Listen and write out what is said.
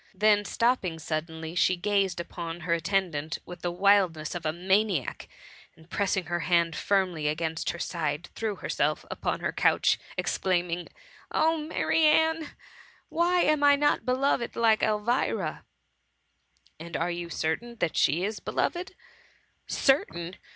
'' Then stopping suddenly, she gazed upon her attendant with the wildness of a maniac, and, pressing her hand firmly against hei side, threti^ herself again upon her couch, exclaiming, ^^ Oh, Marianne I why am I not beloved like Elvira?" "And are you certain that she is be loved ?''" Certain